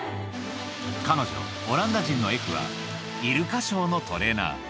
彼女、オランダ人のエフは、イルカショーのトレーナー。